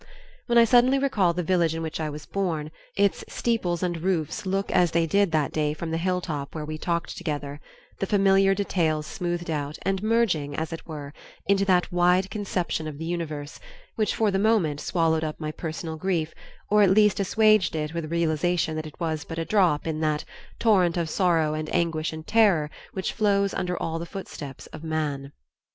When I suddenly recall the village in which I was born, its steeples and roofs look as they did that day from the hilltop where we talked together, the familiar details smoothed out and merging, as it were, into that wide conception of the universe, which for the moment swallowed up my personal grief or at least assuaged it with a realization that it was but a drop in that "torrent of sorrow and aguish and terror which flows under all the footsteps of man."